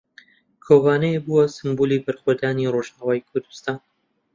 کۆبانێ بووە سمبولی بەرخۆدانی ڕۆژاوای کوردستان.